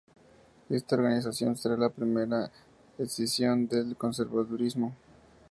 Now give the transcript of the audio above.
Esta organización será la primera escisión del conservadurismo.